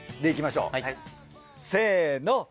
いきましょうせの。